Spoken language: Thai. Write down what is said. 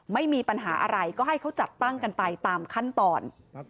ไม่มีปัญหาอะไรก็ให้เขาจัดตั้งกันไปตามขั้นตอน